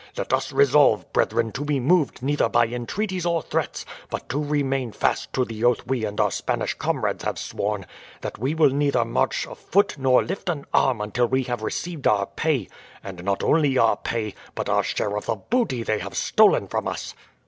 Let us resolve, brethren, to be moved neither by entreaties or threats, but to remain fast to the oath we and our Spanish comrades have sworn, that we will neither march a foot nor lift an arm until we have received our pay; and not only our pay, but our share of the booty they have stolen from us."